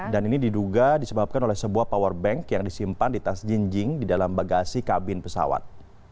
dan ini diduga disebabkan oleh sebuah powerbank yang disimpan di tas jinjing di dalam bagasi kabin pesawat